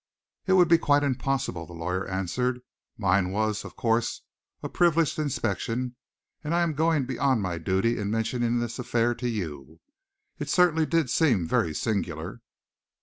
"It would be quite impossible," the lawyer answered. "Mine was, of course, a privileged inspection, and I am going beyond my duty in mentioning this affair to you. It certainly did seem very singular."